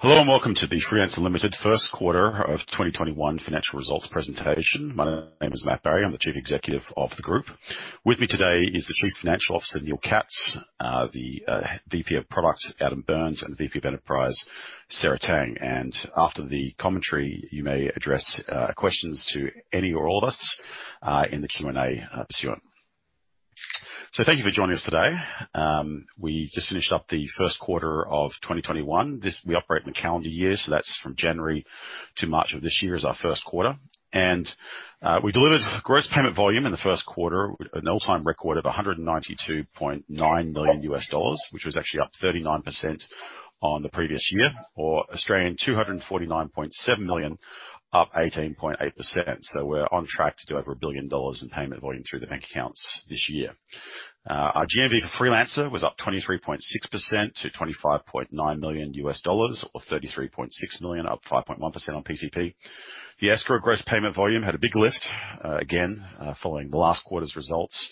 Hello, welcome to the Freelancer Limited first quarter of 2021 financial results presentation. My name is Matt Barrie. I'm the Chief Executive of the group. With me today is the Chief Financial Officer, Neil Katz, the VP of Product, Adam Byrnes, and the VP of Enterprise, Sarah Tang. After the commentary, you may address questions to any or all of us in the Q&A pursuant. Thank you for joining us today. We just finished up the first quarter of 2021. We operate in the calendar year, that's from January to March of this year is our first quarter. We delivered Gross Payment Volume in the first quarter with an all-time record of $192.9 million, which was actually up 39% on the previous year, or 249.7 million, up 18.8%. We're on track to do over $1 billion in payment volume through the bank accounts this year. Our GMV for Freelancer was up 23.6% to $25.9 million or AUD 33.6 million, up 5.1% on PCP. The Escrow gross payment volume had a big lift, again, following last quarter's results,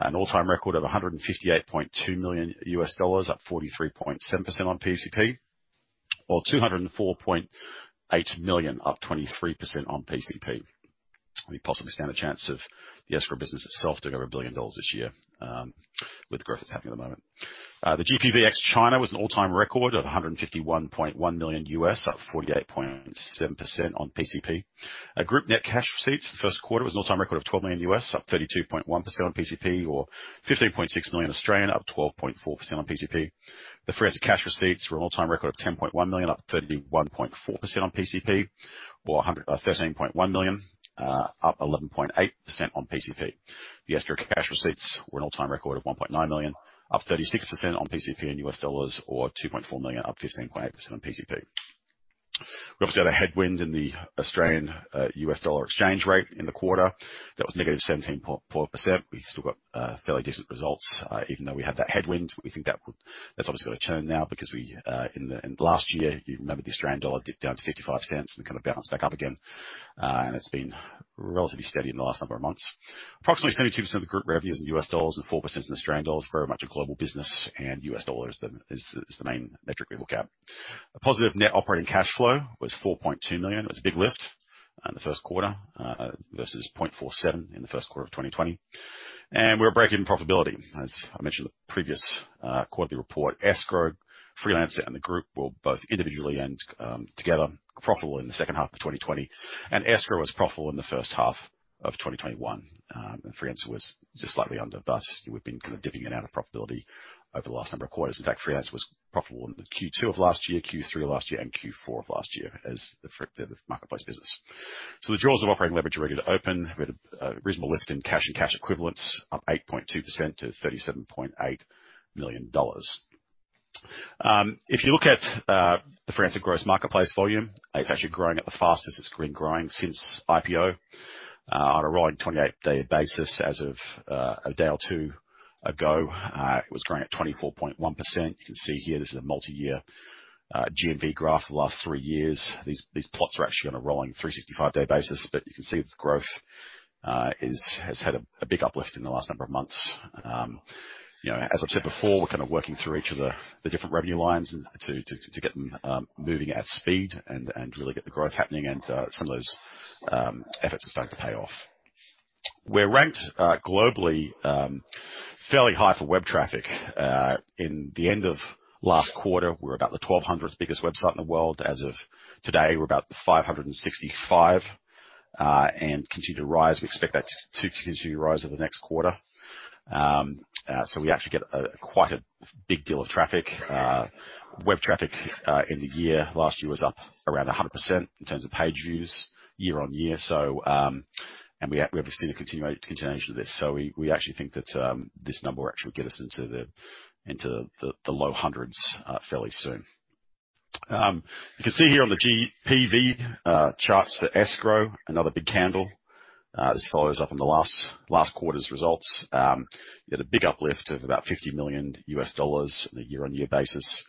an all-time record of $158.2 million, up 43.7% on PCP, or 204.8 million, up 23% on PCP. We possibly stand a chance of the Escrow business itself doing over $1 billion this year with the growth that's happening at the moment. The GPV ex-China was an all-time record at $151.1 million, up 48.7% on PCP. Group net cash receipts for the first quarter was an all-time record of $12 million, up 32.1% on PCP, or 15.6 million, up 12.4% on PCP. The Freelancer cash receipts were an all-time record of $10.1 million, up 31.4% on PCP, or $13.1 million, up 11.8% on PCP. The Escrow cash receipts were an all-time record of $1.9 million, up 36% on PCP, or $2.4 million, up 15.8% on PCP. We obviously had a headwind in the Australian/U.S. dollar exchange rate in the quarter. That was negative 17.4%. We still got fairly decent results, even though we had that headwind. We think that's obviously going to turn now because in the last year, you remember the Australian dollar dipped down to $0.55 and kind of bounced back up again. It's been relatively steady in the last number of months. Approximately 72% of group revenue is in U.S. dollars and 4% is in AUD. We're very much a global business, U.S. dollar is the main metric we look at. A positive net operating cash flow was $4.2 million. It was a big lift in the first quarter versus $0.47 million in the first quarter of 2020. We're breaking profitability. As I mentioned in the previous quarterly report, Escrow, Freelancer, and the group were both individually and together profitable in the second half of 2020. Escrow was profitable in the first half of 2021. Freelancer was just slightly under, but we've been kind of dipping in and out of profitability over the last number of quarters. In fact, Freelancer was profitable in Q2 of last year, Q3 of last year, and Q4 of last year as the marketplace business. The jaws of operating leverage are ready to open. We had a reasonable lift in cash and cash equivalents, up 8.2% to $37.8 million. If you look at the Freelancer gross marketplace volume, it's actually growing at the fastest it's been growing since IPO. On a rolling 28 day basis as of a day or two ago, it was growing at 24.1%. You can see here this is a multi-year GMV graph for the last three years. These plots are actually on a rolling 365 day basis, but you can see the growth has had a big uplift in the last number of months. As I've said before, we're working through each of the different revenue lines to get them moving at speed and really get the growth happening, and some of those efforts are starting to pay off. We're ranked globally fairly high for web traffic. In the end of last quarter, we were about the 1,200th biggest website in the world. As of today, we're about the 565 and continue to rise. We expect that to continue to rise over the next quarter. We actually get quite a big deal of traffic. Web traffic in the year last year was up around 100% in terms of page views year-on-year. We obviously see the continuation of this. We actually think that this number will actually get us into the low hundreds fairly soon. You can see here on the GPV charts for Escrow, another big candle. This follows up on the last quarter's results. We had a big uplift of about $50 million on a year-on-year basis.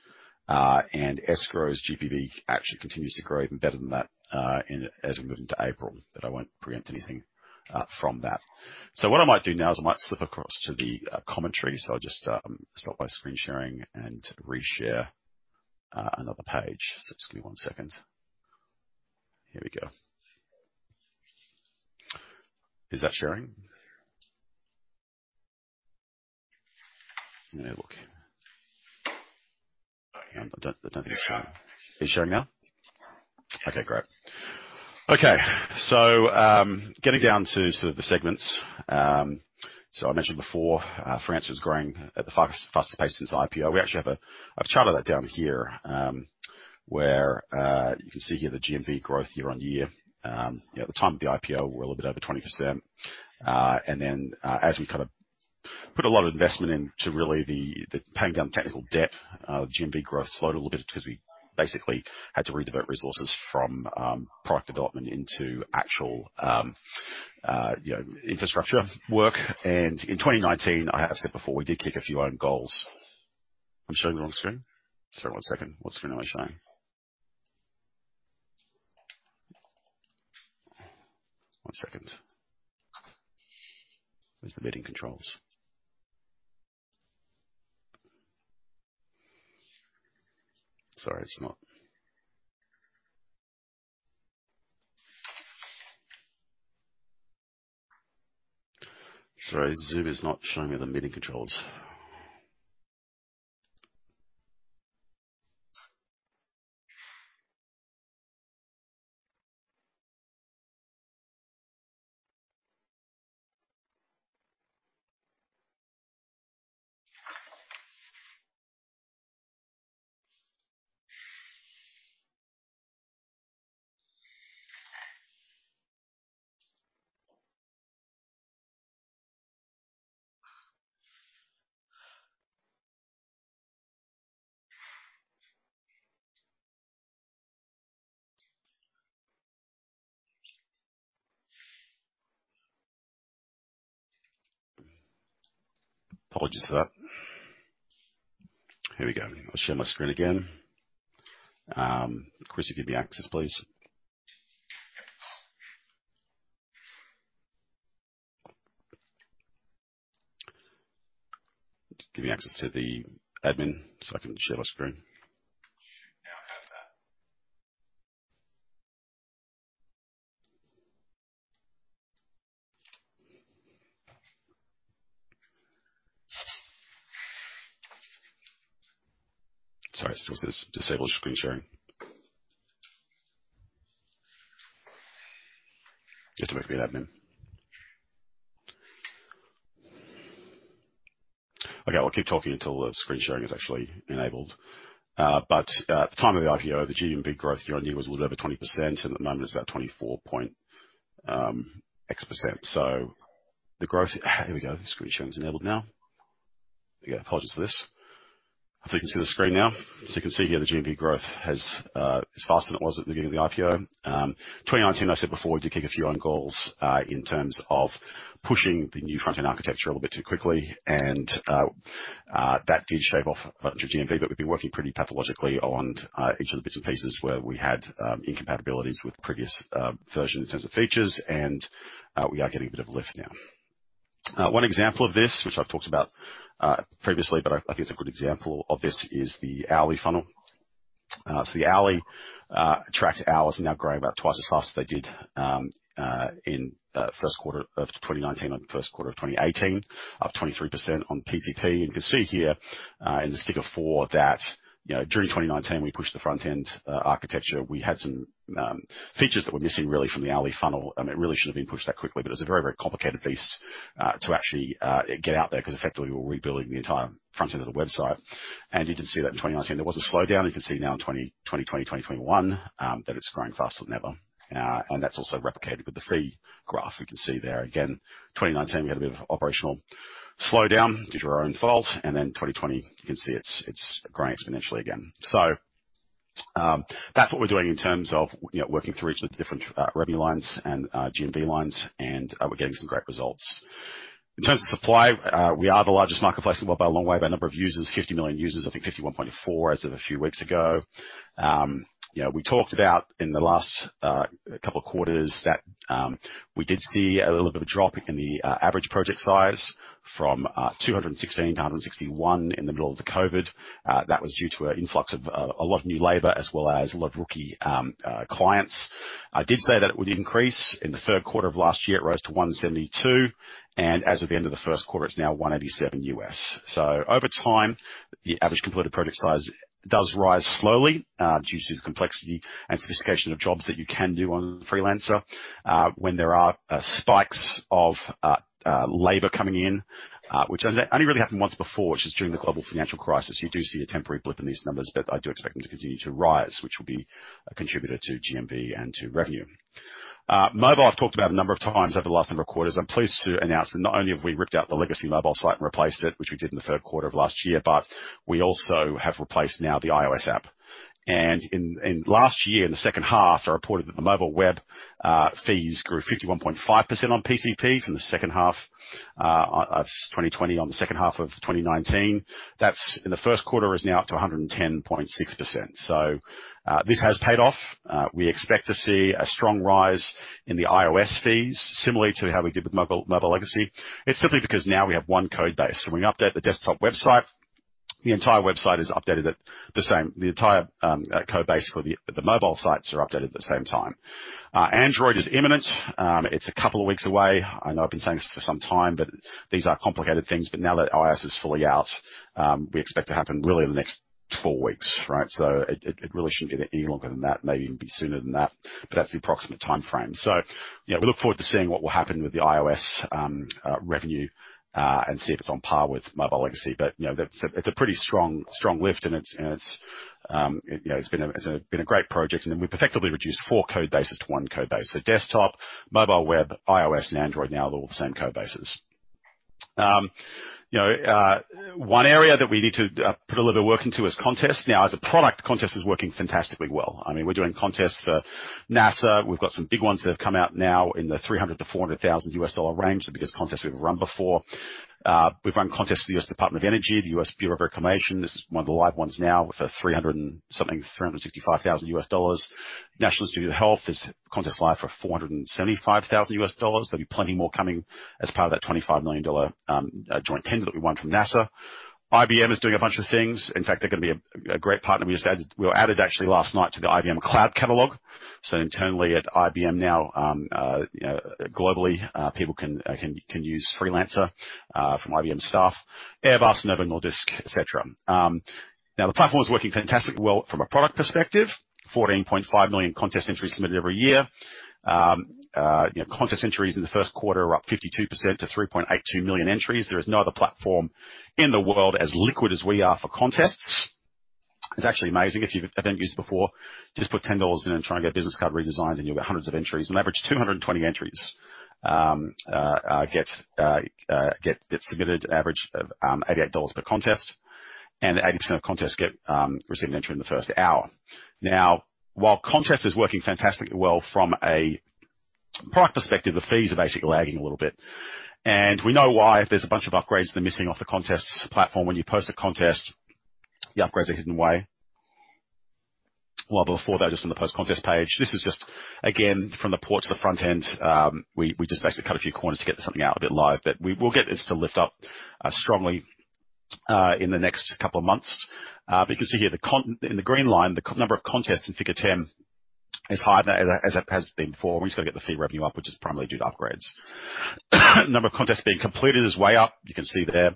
Escrow's GPV actually continues to grow even better than that as we move into April. I won't preempt anything from that. What I might do now is I might slip across to the commentary. I'll just stop my screen sharing and re-share another page. Just give me one second. Here we go. Is that sharing? No. Hang on. I don't think it's sharing. Is it sharing now? Okay, great. Getting down to the segments. I mentioned before, Freelancer is growing at the fastest pace since IPO. I've charted that down here, where you can see here the GMV growth year-on-year. At the time of the IPO, we were a little bit over 20%. Then as we put a lot of investment into really the paying down technical debt, GMV growth slowed a little bit because we basically had to redirect resources from product development into actual infrastructure work. In 2019, I have said before, we did kick a few own goals. Am I showing the wrong screen? Sorry, one second. What screen am I showing? Second. Where's the meeting controls? Sorry, it's not. Sorry, Zoom is not showing me the meeting controls. Apologies for that. Here we go. I'll share my screen again. Chris, you give me access, please. Give me access to the admin so I can share my screen. Now I have that. Sorry, it's disabled screen sharing. You have to make me an admin. I'll keep talking until the screen sharing is actually enabled. At the time of the IPO, the GMV growth year-on-year was a little over 20%, and at the moment is about 24.X%. Here we go. The screen sharing is enabled now. Again, apologies for this. I think you can see the screen now. You can see here the GMV growth is faster than it was at the beginning of the IPO. 2019, I said before, we did kick a few own goals, in terms of pushing the new front-end architecture a little bit too quickly. That did shave off a bunch of GMV, but we've been working pretty pathologically on each of the bits and pieces where we had incompatibilities with previous versions in terms of features, and we are getting a bit of lift now. One example of this, which I've talked about previously, but I think it's a good example of this, is the hourly funnel. The hourly tracked hours are now growing about twice as fast as they did in first quarter of 2019 on first quarter of 2018, up 23% on PCP. You can see here, in this figure four that during 2019, we pushed the front-end architecture. We had some features that we're missing really from the hourly funnel. It really shouldn't have been pushed that quickly. It's a very, very complicated piece to actually get out there because effectively we were rebuilding the entire front end of the website. You can see that in 2019, there was a slowdown. You can see now in 2020, 2021, that it's growing faster than ever. That's also replicated with the fee graph. We can see there again, 2019, we had a bit of operational slowdown due to our own fault. 2020, you can see it's growing exponentially again. That's what we're doing in terms of working through each of the different revenue lines and GMV lines, and we're getting some great results. In terms of supply, we are the largest marketplace in the world by a long way, by a number of users, 50 million users, I think 51.4 as of a few weeks ago. We talked about in the last couple of quarters that we did see a little bit of a drop in the average project size from 216-161 in the middle of the COVID. That was due to an influx of a lot of new labor as well as a lot of rookie clients. I did say that it would increase. In the third quarter of last year, it rose to 172, and as of the end of the first quarter, it's now $187. Over time, the average completed project size does rise slowly due to the complexity and sophistication of jobs that you can do on Freelancer. When there are spikes of labor coming in, which only really happened once before, which is during the global financial crisis. You do see a temporary blip in these numbers, but I do expect them to continue to rise, which will be a contributor to GMV and to revenue. Mobile, I've talked about a number of times over the last number of quarters. I'm pleased to announce that not only have we ripped out the legacy mobile site and replaced it, which we did in the third quarter of last year, but we also have replaced now the iOS app. Last year, in the second half, I reported that the mobile web fees grew 51.5% on PCP from the second half of 2020 on the second half of 2019. That's in the first quarter, is now up to 110.6%. This has paid off. We expect to see a strong rise in the iOS fees, similarly to how we did with mobile legacy. It's simply because now we have one code base. When we update the desktop website the entire code base for the mobile sites are updated at the same time. Android is imminent. It's a couple of weeks away. I know I've been saying this for some time, but these are complicated things. Now that iOS is fully out, we expect it to happen really in the next four weeks. Right? It really shouldn't be any longer than that. Maybe even be sooner than that. That's the approximate timeframe. We look forward to seeing what will happen with the iOS revenue, and see if it's on par with mobile legacy. It's a pretty strong lift, and it's been a great project. Then we effectively reduced four code bases to one code base. Desktop, mobile web, iOS, and Android now are all the same code bases. One area that we need to put a little bit of work into is contests. As a product, contests is working fantastically well. I mean, we're doing contests for NASA. We've got some big ones that have come out now in the $300,000-$400,000, the biggest contests we've run before. We've run contests for the U.S. Department of Energy, the U.S. Bureau of Reclamation. This is one of the live ones now with $365,000 National Institutes of Health. This contest live for $475,000. There'll be plenty more coming as part of that $25 million joint tender that we won from NASA. IBM is doing a bunch of things. In fact, they're going to be a great partner. We were added actually last night to the IBM Cloud catalog. Internally at IBM now, globally, people can use Freelancer from IBM staff, Airbus, Novo Nordisk, et cetera. The platform is working fantastically well from a product perspective. 14.5 million contest entries submitted every year. Contest entries in the first quarter are up 52% to 3.82 million entries. There is no other platform in the world as liquid as we are for contests. It's actually amazing. If you haven't used it before, just put 10 dollars in and try and get a business card redesigned, you'll get hundreds of entries. An average of 220 entries get submitted, average of 88 dollars per contest, 80% of contests receive an entry in the first hour. While contest is working fantastically well from a product perspective, the fees are basically lagging a little bit. We know why. There's a bunch of upgrades that are missing off the contests platform. When you post a contest, the upgrades are hidden away. While before they were just on the post contest page. This is just again from the port to the front end. We just basically cut a few corners to get something out a bit live. We will get this to lift up strongly in the next couple of months. You see here in the green line, the number of contests in figure 10 is higher as it has been before. We just got to get the fee revenue up, which is primarily due to upgrades. Number of contests being completed is way up. You can see there.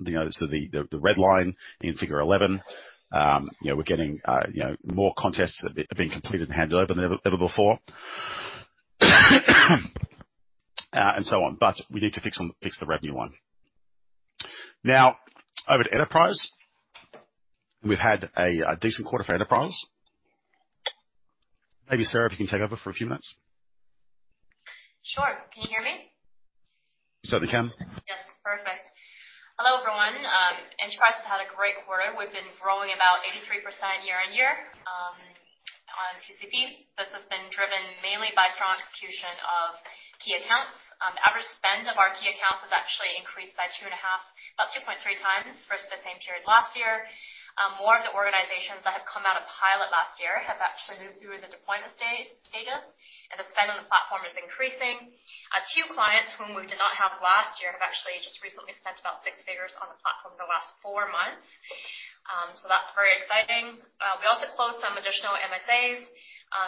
The red line in figure 11. We're getting more contests being completed and handled than ever before and so on. We need to fix the revenue one. Over to Enterprise. We've had a decent quarter for Enterprise. Maybe, Sarah, if you can take over for a few minutes. Sure. Can you hear me? Certainly can. Yes. Perfect. Hello, everyone. Freelancer Enterprise has had a great quarter. We've been growing about 83% year-on-year on PCP. This has been driven mainly by strong execution of key accounts. Average spend of our key accounts has actually increased by two and a half, about 2.3 times versus the same period last year. More of the organizations that have come out of pilot last year have actually moved through the deployment status, and the spend on the platform is increasing. A few clients whom we did not have last year have actually just recently spent about six figures on the platform in the last four months. That's very exciting. We also closed some additional MSAs,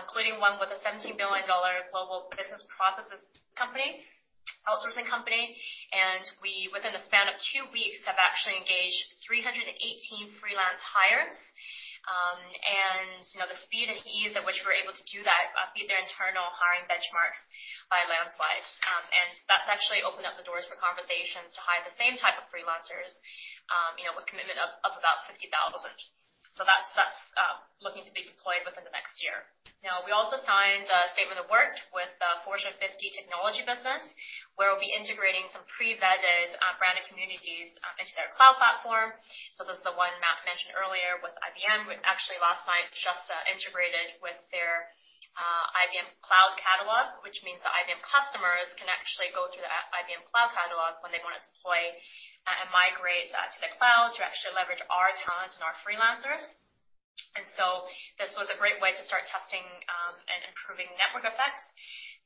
including one with a 17 billion dollar global business processes outsourcing company. We, within a span of two weeks, have actually engaged 318 freelance hires. The speed and ease at which we're able to do that beat their internal hiring benchmarks by a landslide. That's actually opened up the doors for conversations to hire the same type of freelancers with commitment of about $50,000. That's looking to be deployed within the next year. Now, we also signed a statement of work with a Fortune 50 technology business, where we'll be integrating some pre-vetted branded communities into their cloud platform. This is the one Matt mentioned earlier with IBM. We actually last night just integrated with their IBM Cloud catalog, which means the IBM customers can actually go through that IBM Cloud catalog when they want to deploy and migrate to the cloud to actually leverage our talent and our freelancers. This was a great way to start testing and improving network effects.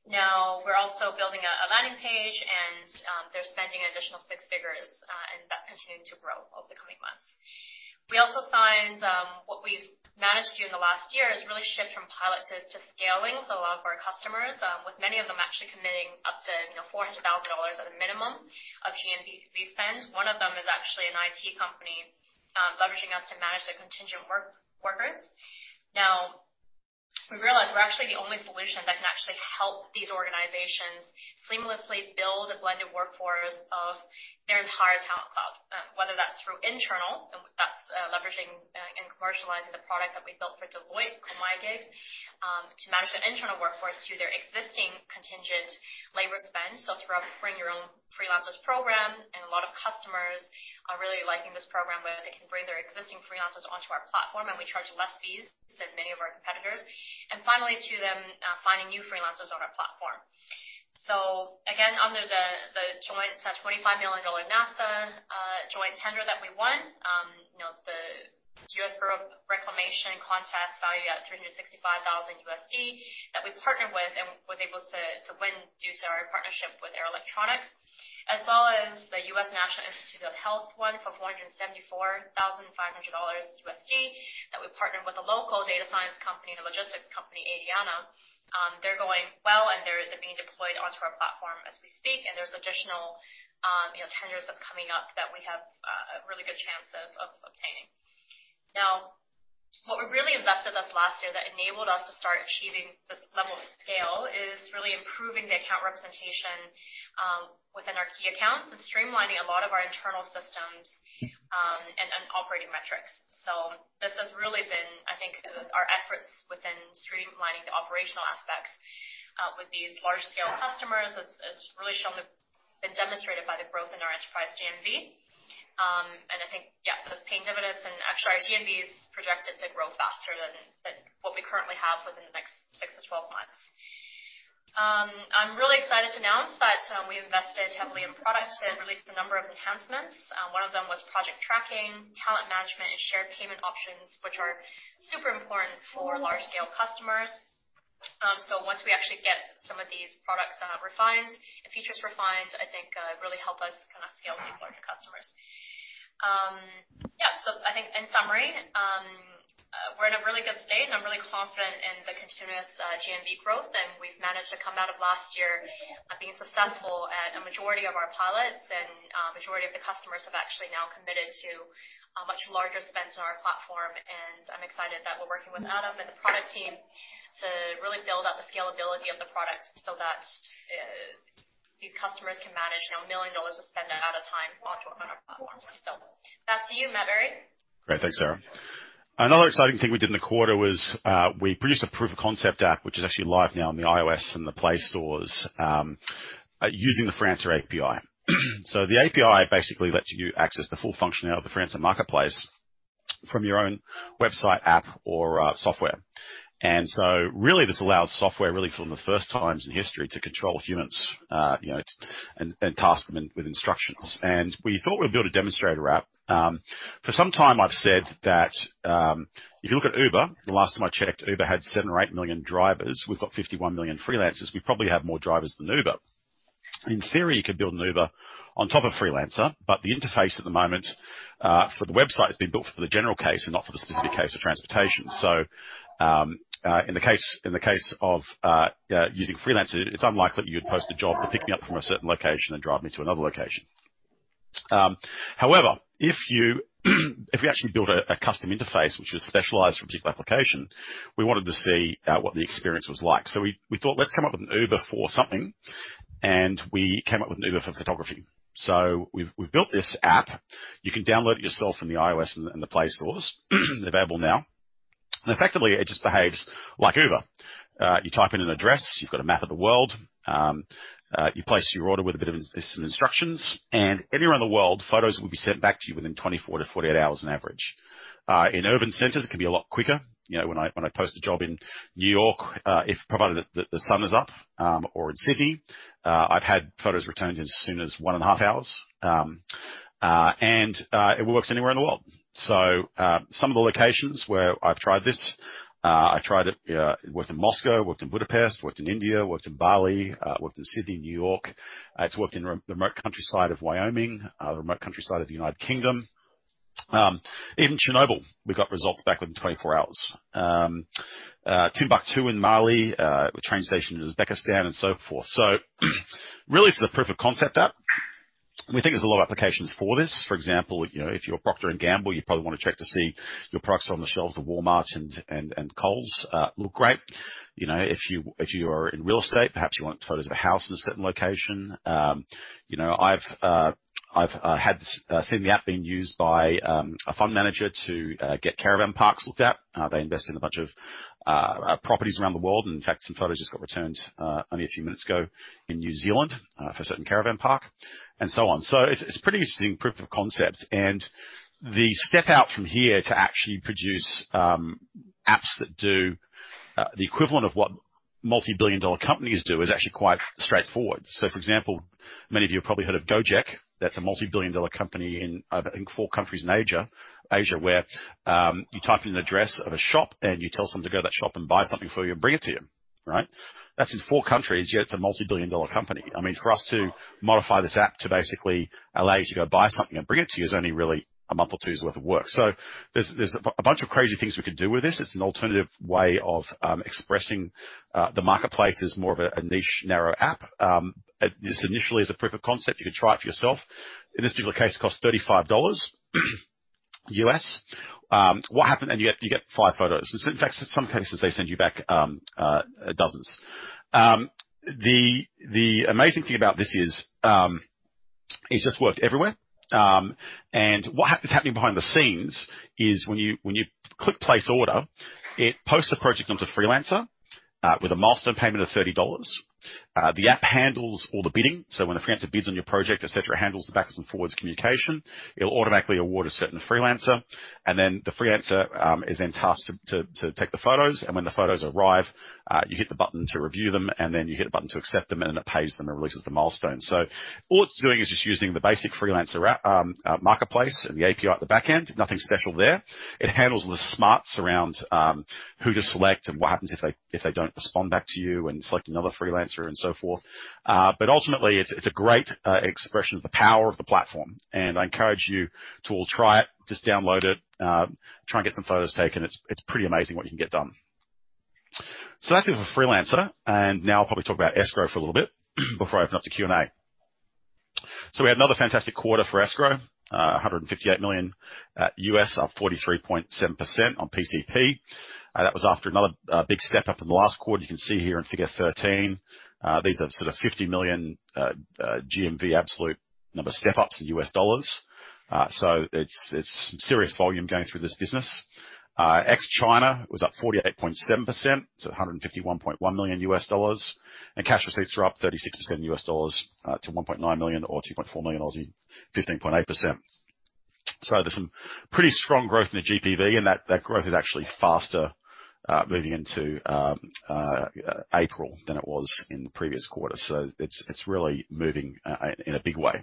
Now we are also building a landing page, and they are spending an additional six figures, and that is continuing to grow over the coming months. We also signed what we have managed to do in the last year is really shift from pilot to scaling for a lot of our customers, with many of them actually committing up to 400,000 dollars at a minimum of GMV spend. One of them is actually an IT company leveraging us to manage their contingent workers. Now we realize we are actually the only solution that can actually help these organizations seamlessly build a blended workforce of their entire talent cloud, whether that is through internal, and that is leveraging and commercializing the product that we built for Deloitte, MyGigs, to manage their internal workforce through their existing contingent labor spend. Through our Bring Your Own Freelancers Program, and a lot of customers are really liking this program where they can bring their existing freelancers onto our platform, and we charge less fees than many of our competitors. Finally, to them finding new freelancers on our platform. Again, under the $25 million NASA joint tender that we won. The U.S. Bureau of Reclamation contest valued at $365,000 that we partnered with and was able to win due to our partnership with Arrow Electronics. As well as the U.S. National Institutes of Health one for $474,500 that we partnered with a local data science company and a logistics company, Adiona. They're going well, and they're being deployed onto our platform as we speak. There's additional tenders that's coming up that we have a really good chance of obtaining. What we really invested this last year that enabled us to start achieving this level of scale is really improving the account representation within our key accounts and streamlining a lot of our internal systems and operating metrics. This has really been, I think, our efforts within streamlining the operational aspects with these large-scale customers has really been demonstrated by the growth in our enterprise GMV. I think, yeah, that's paying dividends and actually our GMV is projected to grow faster than what we currently have within the next six to 12 months. I'm really excited to announce that we invested heavily in product and released a number of enhancements. One of them was project tracking, talent management, and shared payment options, which are super important for large-scale customers. Once we actually get some of these products refined and features refined, I think really help us scale these larger customers. I think in summary, we're in a really good state, and I'm really confident in the continuous GMV growth. We've managed to come out of last year being successful at a majority of our pilots. A majority of the customers have actually now committed to a much larger spend on our platform. I'm excited that we're working with Adam and the product team to really build out the scalability of the product so that these customers can manage 1 million dollars of spend at a time on our platform. Back to you, Matt Barrie. Great. Thanks, Sarah. Another exciting thing we did in the quarter was we produced a proof of concept app, which is actually live now on the iOS and the Play stores using the Freelancer API. The API basically lets you access the full functionality of the Freelancer marketplace from your own website, app, or software. Really this allows software really for the first time in history to control humans and task them with instructions. We thought we'd build a demonstrator app. For some time I've said that if you look at Uber, the last time I checked, Uber had 7 or 8 million drivers. We've got 51 million freelancers. We probably have more drivers than Uber. In theory, you could build an Uber on top of Freelancer, but the interface at the moment for the website has been built for the general case and not for the specific case of transportation. In the case of using Freelancer, it's unlikely you would post a job for picking me up from a certain location and drop me to another location. However, if you actually build a custom interface which is specialized for a particular application, we wanted to see what the experience was like. We thought, let's come up with an Uber for something, and we came up with an Uber for photography. We've built this app. You can download it yourself from the iOS and the Play Stores. They're available now. Effectively it just behaves like Uber. You type in an address, you've got a map of the world. You place your order with a bit of some instructions, and anywhere in the world, photos will be sent back to you within 24-48 hours on average. In urban centers, it can be a lot quicker. When I post a job in New York, provided that the sun is up or in Sydney I've had photos returned as soon as one and a half hours. It works anywhere in the world. Some of the locations where I've tried this I tried it worked in Moscow, worked in Budapest, worked in India, worked in Bali, worked in Sydney, New York. It's worked in remote countryside of Wyoming, the remote countryside of the United Kingdom, even Chernobyl, we got results back within 24 hours. Timbuktu in Mali, a train station in Uzbekistan and so forth. Really it's the proof of concept app. We think there's a lot of applications for this. For example, if you're Procter & Gamble, you probably want to check to see your products on the shelves of Walmart and Kohl's look great. If you are in real estate, perhaps you want photos of a house in a certain location. I've seen the app being used by a fund manager to get caravan parks looked at. They invest in a bunch of properties around the world. In fact, some photos just got returned only a few minutes ago in New Zealand for a certain caravan park and so on. It's pretty interesting proof of concept. The step out from here to actually produce apps that do the equivalent of what multi-billion dollar companies do is actually quite straightforward. For example, many of you have probably heard of Gojek. That's a multi-billion dollar company in I think four countries in Asia, where you type in an address of a shop, and you tell someone to go to that shop and buy something for you and bring it to you, right? That's in four countries, yet it's a multi-billion dollar company. I mean, for us to modify this app to basically allow you to go buy something and bring it to you is only really a month or two's worth of work. There's a bunch of crazy things we could do with this. It's an alternative way of expressing the marketplace as more of a niche narrow app. This initially is a proof of concept. You can try it for yourself. In this particular case, it costs $35. What happened, you get five photos. In fact, in some cases, they send you back dozens. The amazing thing about this is it's just worked everywhere. What is happening behind the scenes is when you click place order, it posts a project onto Freelancer with a milestone payment of $30. The app handles all the bidding. When a freelancer bids on your project, et cetera, handles the backs and forwards communication, it'll automatically award a certain freelancer and then the freelancer is then tasked to take the photos. When the photos arrive you hit the button to review them, and then you hit a button to accept them, and then it pays them and releases the milestone. All it's doing is just using the basic freelancer app, marketplace and the API at the back end. Nothing special there. It handles the smarts around who to select and what happens if they don't respond back to you and select another Freelancer and so forth. Ultimately it's a great expression of the power of the platform, and I encourage you to all try it. Just download it, try and get some photos taken. It's pretty amazing what you can get done. That's it for Freelancer, and now I'll probably talk about Escrow for a little bit before I open up to Q&A. We had another fantastic quarter for Escrow, $158 million, up 43.7% on PCP. That was after another big step-up from the last quarter. You can see here in figure 13. These are sort of $50 million GMV absolute number step-ups in U.S. Dollars. Ex China was up 48.7%, so $151.1 million. Cash receipts are up 36% U.S. dollars to $1.9 million or 2.4 million, 15.8%. There's some pretty strong growth in the GPV, and that growth is actually faster moving into April than it was in the previous quarter. It's really moving in a big way.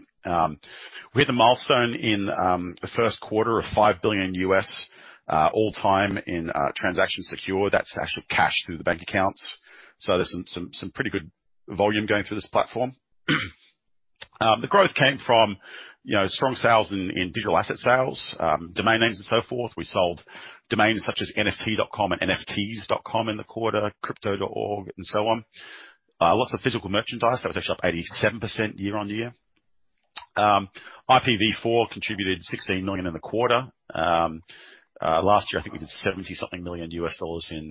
We hit a milestone in the first quarter of $5 billion all time in transactions secure. That's actually cash through the bank accounts. There's some pretty good volume going through this platform. The growth came from strong sales in digital asset sales, domain names and so forth. We sold domains such as nft.com and nfts.com in the quarter, crypto.org and so on. Lots of physical merchandise. That was actually up 87% year-on-year. IPv4 contributed 16 million in the quarter. Last year, I think we did $70 something million in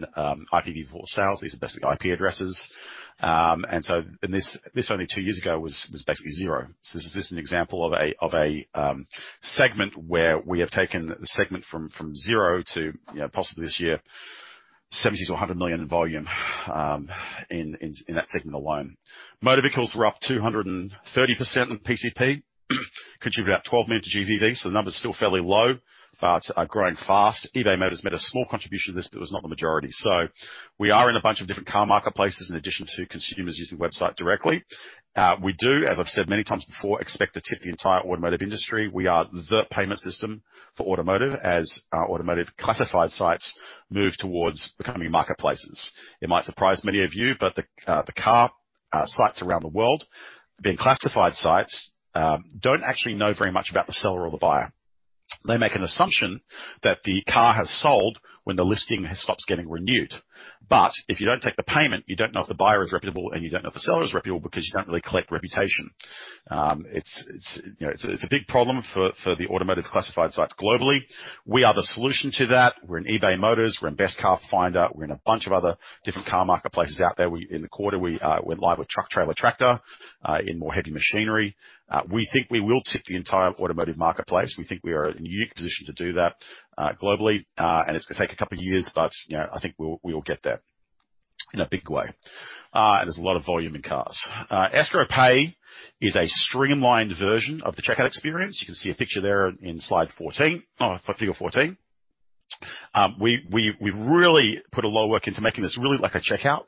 IPv4 sales. These are basically IP addresses. This only two years ago was basically zero. This is an example of a segment where we have taken the segment from zero to possibly this year, 70 million-100 million in volume in that segment alone. Motor vehicles were up 230% in PCP, contributed about 12 million to GPV. The number's still fairly low, but growing fast. eBay Motors made a small contribution to this, but it was not the majority. We are in a bunch of different car marketplaces in addition to consumers using the website directly. We do, as I've said many times before, expect to tip the entire automotive industry. We are the payment system for automotive as automotive classified sites move towards becoming marketplaces. It might surprise many of you, but the car sites around the world, being classified sites, don't actually know very much about the seller or the buyer. They make an assumption that the car has sold when the listing stops getting renewed. If you don't take the payment, you don't know if the buyer is reputable, and you don't know if the seller is reputable because you don't really collect reputation. It's a big problem for the automotive classified sites globally. We are the solution to that. We're in eBay Motors. We're in Best Car Finder. We're in a bunch of other different car marketplaces out there. In the quarter, we went live with Truck Trailer Tractor in more heavy machinery. We think we will tip the entire automotive marketplace. We think we are in a unique position to do that globally. It's going to take a couple of years, but I think we will get there in a big way. There's a lot of volume in cars. EscrowPay is a streamlined version of the checkout experience. You can see a picture there in slide 13 or 14. We've really put a lot of work into making this really like a checkout.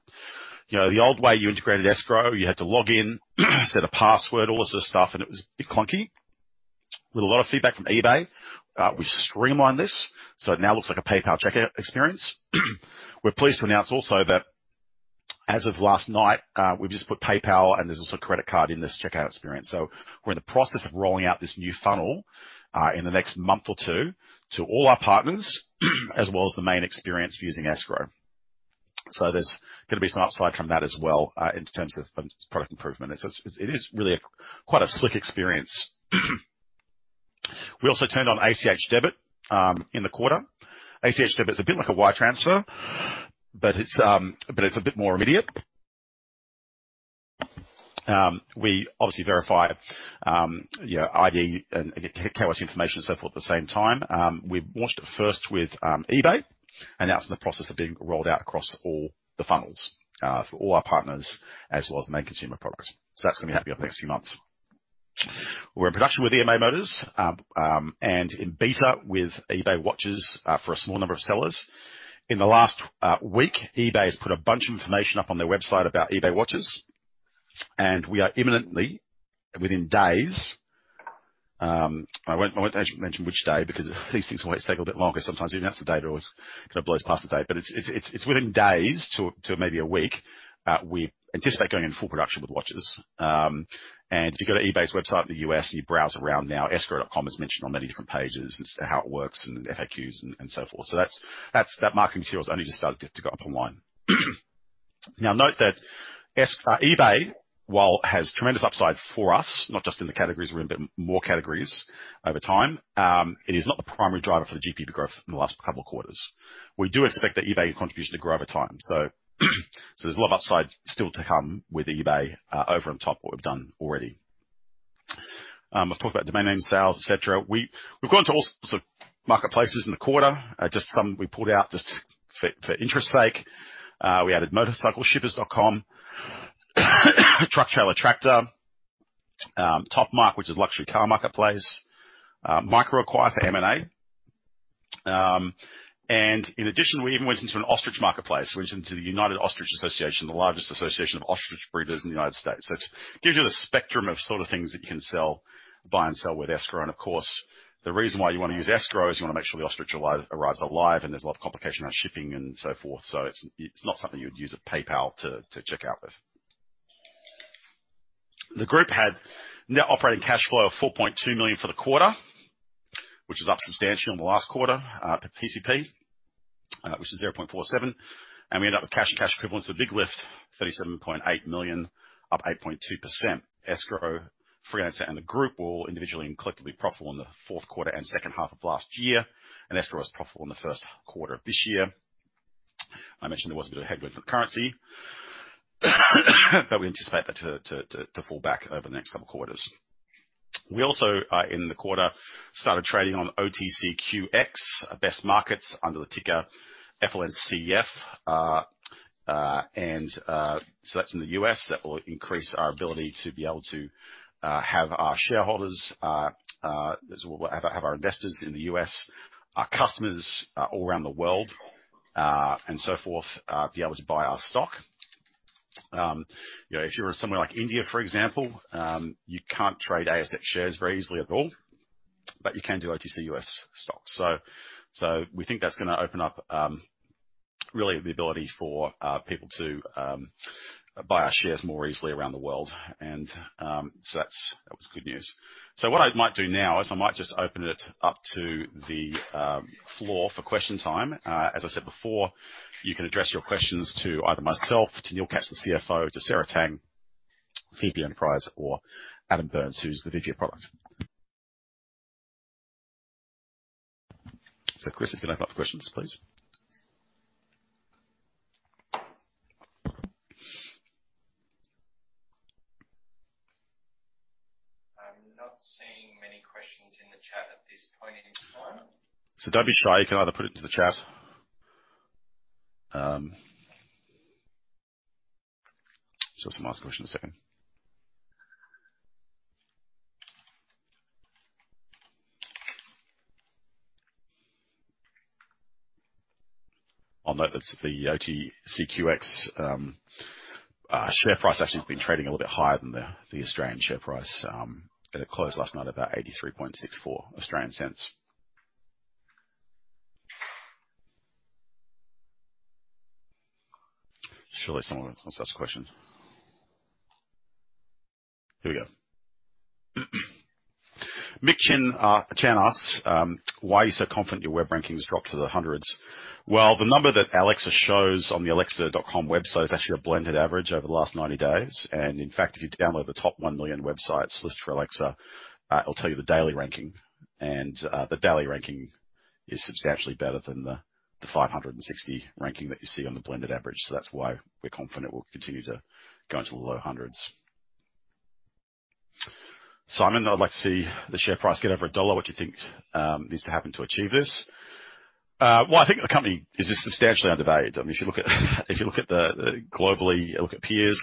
The old way you integrated Escrow, you had to log in, set a password, all this other stuff, and it was a bit clunky. With a lot of feedback from eBay, we streamlined this, so it now looks like a PayPal checkout experience. We're pleased to announce also that as of last night, we've just put PayPal and there's also credit card in this checkout experience. We're in the process of rolling out this new funnel in the next month or two to all our partners as well as the main experience using Escrow. There's going to be some upside from that as well in terms of product improvement. It is really quite a slick experience. We also turned on ACH Debit in the quarter. ACH Debit is a bit like a wire transfer, but it's a bit more immediate. We obviously verify ID and get tax information and so forth at the same time. We've launched it first with eBay. Now it's in the process of being rolled out across all the funnels for all our partners as well as main consumer products. That's going to be happening in the next few months. We're in production with eBay Motors and in beta with eBay Watches for a small number of sellers. In the last week, eBay has put a bunch of information up on their website about eBay Watches. We are imminently, within days— I won't mention which day because these things always take a bit longer sometimes. Even if that's the day it always kind of blows past the day. It's within days to maybe a week, we anticipate going into full production with watches. If you go to eBay's website in the U.S. and you browse around now, Escrow.com is mentioned on many different pages as to how it works and FAQs and so forth. That marketing material has only just started to go up online. Note that eBay, while has tremendous upside for us, not just in the categories we're in, but more categories over time, it is not the primary driver for the GPV growth in the last couple of quarters. We do expect that eBay contribution to grow over time. There's a lot of upside still to come with eBay over and on top of what we've done already. I've talked about domain name sales, et cetera. We've gone to all sorts of marketplaces in the quarter. Just some we pulled out just for interest's sake. We added motorcycleshippers.com, Truck Trailer Tractor, Topmark, which is luxury car marketplace, MicroAcquire for M&A. In addition, we even went into an ostrich marketplace. We went into the United Ostrich Association, the largest association of ostrich breeders in the United States. That gives you the spectrum of sort of things that you can buy and sell with Escrow. Of course, the reason why you want to use Escrow is you want to make sure the ostrich arrives alive, and there's a lot of complication around shipping and so forth. It's not something you would use a PayPal to check out with. The group had net operating cash flow of $4.2 million for the quarter. It is up substantially on the last quarter to PCP, which is $0.47. We end up with cash and cash equivalents, a big lift, $37.8 million, up 8.2%. Escrow, Freelancer and the group were all individually and collectively profitable in the fourth quarter and second half of last year. Escrow was profitable in the first quarter of this year. I mentioned there was a bit of a headwind for the currency, we anticipate that to fall back over the next couple of quarters. We also, in the quarter, started trading on OTCQX Best Markets under the ticker FLNCF. That's in the U.S. That will increase our ability to be able to have our shareholders, as well have our investors in the U.S., our customers all around the world and so forth, be able to buy our stock. If you're somewhere like India, for example, you can't trade ASX shares very easily at all. You can do OTC U.S. stocks. We think that's going to open up really the ability for people to buy our shares more easily around the world and so that was good news. What I might do now is I might just open it up to the floor for question time. As I said before, you can address your questions to either myself, to Neil Katz, the CFO, to Sarah Tang, VP of Enterprise, or Adam Byrnes, who's the VP of Product. Chris, if you open up questions, please. I'm not seeing many questions in the chat at this point in time. Don't be shy. You can either put it into the chat. Just going to ask the question in a second. I'll note that the OTCQX share price actually has been trading a little bit higher than the Australian share price. It closed last night about 0.8364. Surely someone wants to ask questions. Here we go. Mike Chen asks. "Why are you so confident your web rankings dropped to the hundreds?" The number that Alexa shows on the alexa.com website is actually a blended average over the last 90 days. In fact, if you download the top 1 million websites list for Alexa, it'll tell you the daily ranking. The daily ranking is substantially better than the 560 ranking that you see on the blended average. That's why we're confident we'll continue to go into the low hundreds. I'd like to see the share price get over AUD 1. What do you think needs to happen to achieve this? I think the company is just substantially undervalued. If you look at globally, you look at peers,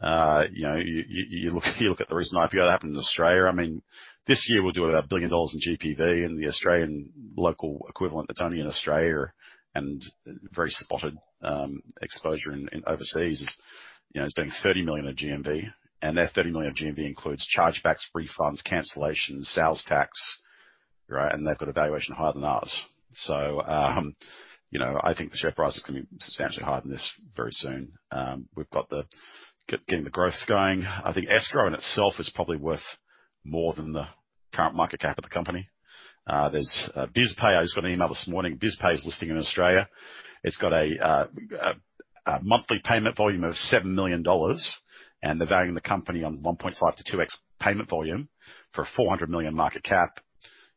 you look at the recent IPO that happened in Australia. This year, we'll do about 1 billion dollars in GPV, and the Australian local equivalent that's only in Australia and very spotted exposure in overseas is doing 30 million in GMV. That 30 million of GMV includes chargebacks, refunds, cancellations, sales tax. They've got a valuation higher than ours. I think the share price is going to be substantially higher than this very soon. We've got getting the growth going. I think Escrow in itself is probably worth more than the current market cap of the company. I just got an email this morning. BizPay is listing in Australia. It's got a monthly payment volume of 7 million dollars. They're valuing the company on 1.5x-2x payment volume for 400 million market cap.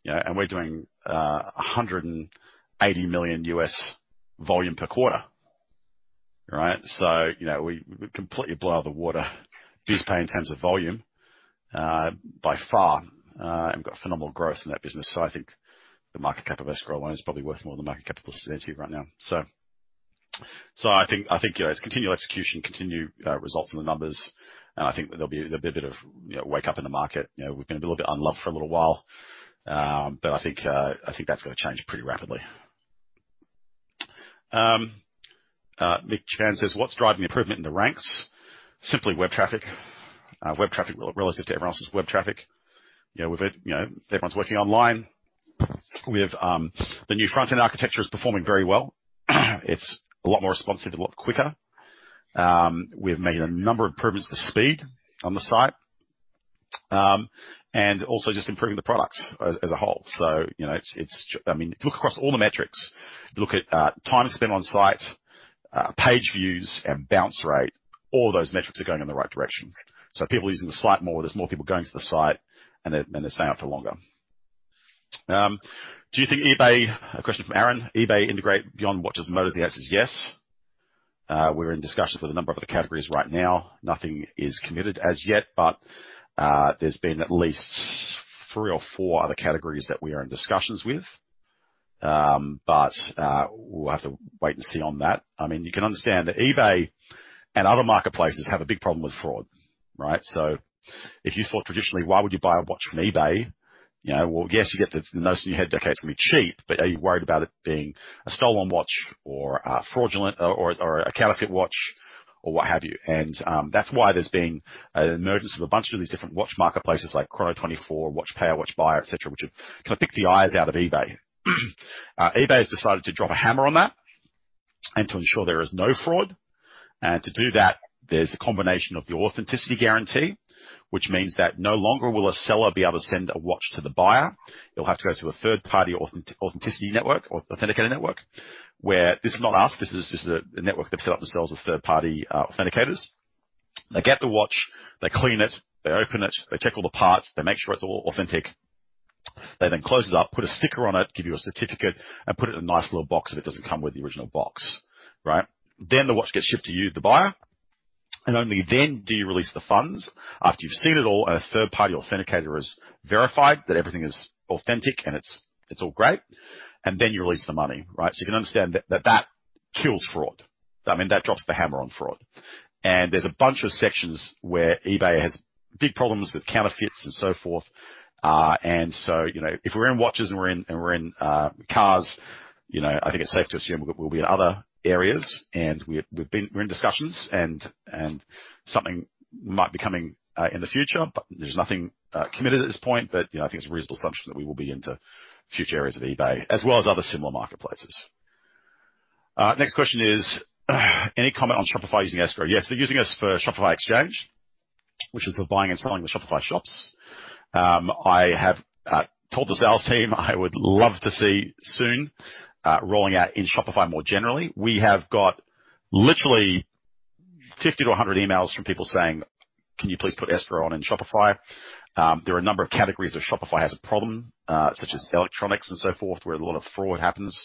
We're doing $180 million volume per quarter. We completely blow out the water BizPay in terms of volume by far. We've got phenomenal growth in that business. I think the market cap of Escrow alone is probably worth more than the market cap of Ascend right now. I think it's continual execution, continued results in the numbers, and I think there'll be a bit of wake up in the market. We're going to be a little bit unloved for a little while. I think that's going to change pretty rapidly. Mick Chan says. "What's driving the improvement in the ranks?" Simply web traffic. Web traffic relative to everyone else's web traffic. Everyone's working online. The new front-end architecture is performing very well. It's a lot more responsive, a lot quicker. We've made a number of improvements to speed on the site. Also just improving the product as a whole. If you look across all the metrics, if you look at time spent on site, page views, and bounce rate, all those metrics are going in the right direction. People are using the site more. There's more people going to the site, and they're staying out for longer. A question from Aaron. "eBay integrate beyond watches and motors?" The answer is yes. We're in discussions with a number of other categories right now. Nothing is committed as yet. There's been at least three or four other categories that we are in discussions with. We'll have to wait and see on that. You can understand that eBay and other marketplaces have a big problem with fraud, right? If you thought traditionally, why would you buy a watch from eBay? Well, yes, you get the nice new deals. It's going to be cheap, but are you worried about it being a stolen watch or fraudulent or a counterfeit watch or what have you? That's why there's been an emergence of a bunch of these different watch marketplaces like Chrono24, WatchPayer, WatchBuyer, et cetera, which have kind of picked the eyes out of eBay. eBay has decided to drop a hammer on that and to ensure there is no fraud. To do that, there's the combination of the authenticity guarantee, which means that no longer will a seller be able to send a watch to the buyer. You'll have to go through a third-party authenticity network or authenticator network, where this is not us. This is a network they've set up themselves with third-party authenticators. They get the watch. They clean it. They open it. They check all the parts. They make sure it's all authentic. They then close it up, put a sticker on it, give you a certificate, and put it in a nice little box if it doesn't come with the original box. The watch gets shipped to you, the buyer. Only then do you release the funds after you've seen it all and a third-party authenticator has verified that everything is authentic and it's all great. You release the money. You can understand that that kills fraud. I mean, that drops the hammer on fraud. There's a bunch of sections where eBay has big problems with counterfeits and so forth. If we're in watches and we're in cars, I think it's safe to assume we'll be in other areas. We're in discussions, and something might be coming in the future, but there's nothing committed at this point. I think it's a reasonable assumption that we will be into future areas of eBay as well as other similar marketplaces. Next question is any comment on Shopify using Escrow? Yes, they're using us for Shopify Exchange, which is the buying and selling of Shopify shops. I have told the sales team I would love to see soon rolling out in Shopify more generally. We have got literally 50 to 100 emails from people saying, "Can you please put Escrow on in Shopify?" There are a number of categories where Shopify has a problem, such as electronics and so forth, where a lot of fraud happens.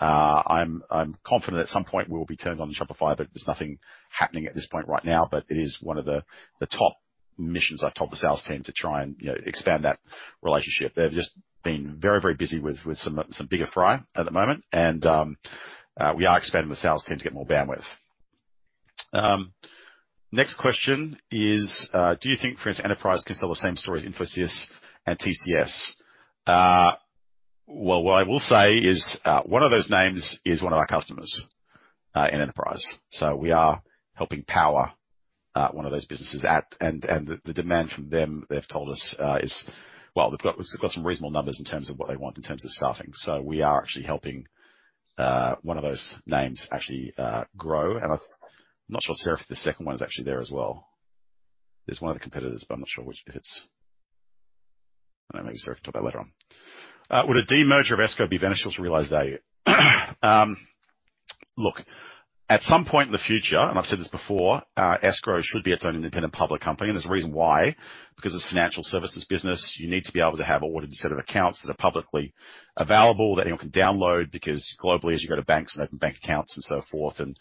I'm confident at some point we will be turning on Shopify, but there's nothing happening at this point right now. It is one of the top missions I've told the sales team to try and expand that relationship. We are expanding the sales team to get more bandwidth. Next question is, do you think Freelancer Enterprise can sell the same stories, Infosys and TCS? Well, what I will say is one of those names is one of our customers in Enterprise. We are helping power one of those businesses. The demand from them, they've told us is Well, we've got some reasonable numbers in terms of what they want in terms of staffing. We are actually helping one of those names actually grow. I'm not sure, Sarah Tang, if the second one is actually there as well. There's one of the competitors, but I'm not sure which it is. Maybe Sarah Tang can talk about that later on. Would a demerger of Escrow.com be beneficial to realized value? Look, at some point in the future, I've said this before, Escrow.com should be its own independent public company. There's a reason why. It's a financial services business, you need to be able to have audited set of accounts that are publicly available that anyone can download. Globally, as you go to banks and open bank accounts and so forth, and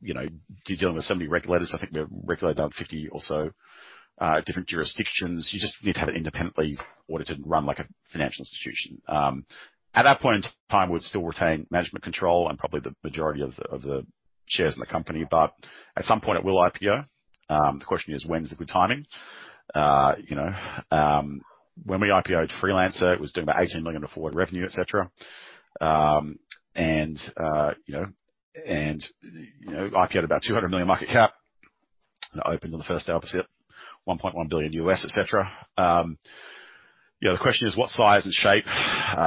you're dealing with so many regulators, I think we have regulators about 50 different jurisdictions. You just need to have it independently audited and run like a financial institution. At that point in time, we'd still retain management control and probably the majority of the shares in the company. At some point it will IPO. The question is, when is the good timing? When we IPO'd Freelancer, it was doing about 18 million in forward revenue, et cetera. IPO'd about 200 million market cap, and it opened on the first day opposite $1.1 billion et cetera. The question is, what size and shape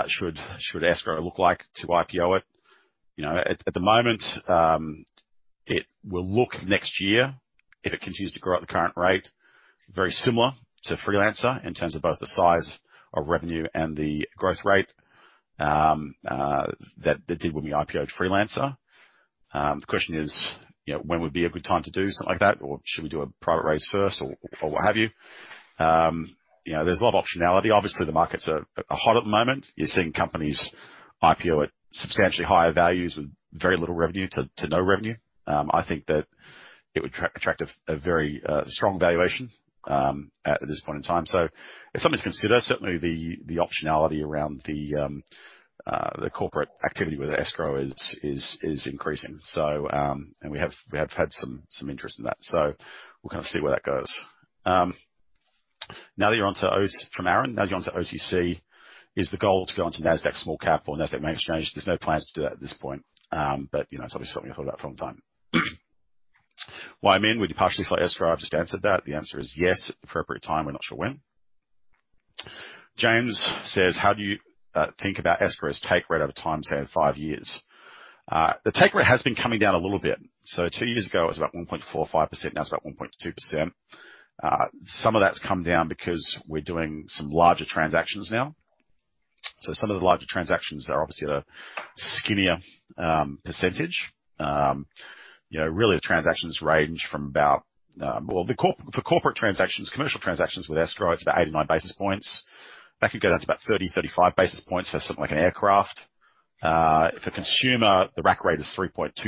should Escrow look like to IPO it? At the moment, it will look next year if it continues to grow at the current rate, very similar to Freelancer in terms of both the size of revenue and the growth rate that it did when we IPO'd Freelancer. The question is, when would be a good time to do something like that? Should we do a private raise first or what have you? There's a lot of optionality. Obviously, the market's hot at the moment. You're seeing companies IPO at substantially higher values with very little revenue to no revenue. I think that it would attract a very strong valuation at this point in time. It's something to consider. Certainly, the optionality around the corporate activity with Escrow is increasing. We have had some interest in that. We'll kind of see where that goes. From Aaron, now you're onto OTC. Is the goal to go onto Nasdaq Small Cap or Nasdaq Main Exchange? It's obviously something we thought about for a long time. When would you partially float Escrow? I've just answered that. The answer is yes, at the appropriate time. We're not sure when. James says, "How do you think about Escrow's take rate over time, say in five years?" The take rate has been coming down a little bit. Two years ago, it was about 1.45%. Now it's about 1.2%. Some of that's come down because we're doing some larger transactions now. Some of the larger transactions are obviously at a skinnier percentage. Really, for corporate transactions, commercial transactions with Escrow, it's about 89 basis points. That could go down to about 30, 35 basis points for something like an aircraft. For consumer, the rack rate is 3.25%,